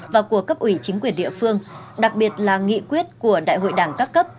và của cấp ủy chính quyền địa phương đặc biệt là nghị quyết của đại hội đảng các cấp